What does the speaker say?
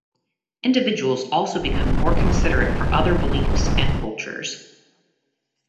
Individuals also become more considerate for other beliefs and cultures.